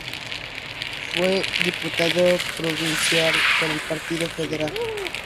Fue diputado provincial, por el partido federal.